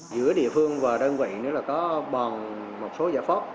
giữa địa phương và đơn vị có bòn một số giả phóp